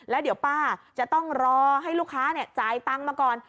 แล้วเดี๋ยวป้าจะต้องรอให้ลูกค้าจ่ายตังค์มาก่อน